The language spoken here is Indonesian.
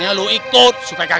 nah sekali engkau